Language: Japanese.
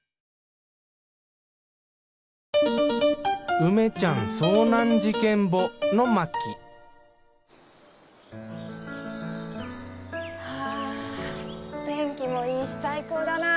梅ちゃん遭難事件簿の巻はぁ天気もいいし最高だなぁ。